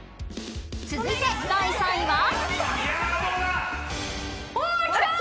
［続いて第３位は］